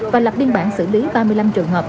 và lập biên bản xử lý ba mươi năm trường hợp